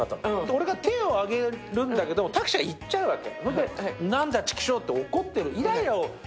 俺が手を上げるんだけど、タクシーがいっちゃうわけ。